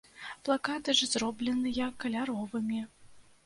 Плакаты ж зробленыя каляровымі.